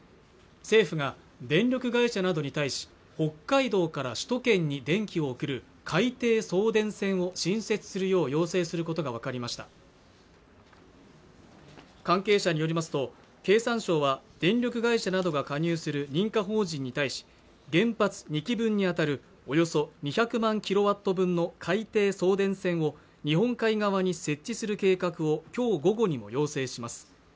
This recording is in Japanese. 政府が電力会社などに対し北海道から首都圏に電気を送る海底送電線を新設するよう要請することが分かりました関係者によりますと経産省は電力会社などが加入する認可法人に対し原発２基分に当たるおよそ２００万キロワット分の海底送電線を日本海側に設置する計画をきょう午後にも要請します